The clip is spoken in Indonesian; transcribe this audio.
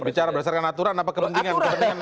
ini bicara berdasarkan aturan apa kepentingan